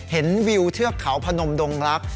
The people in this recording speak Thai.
เห็นวิวเทือกเขาพนมดงรักษ์